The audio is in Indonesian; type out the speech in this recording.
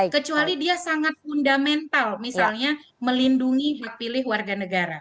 kecuali dia sangat fundamental misalnya melindungi hak pilih warga negara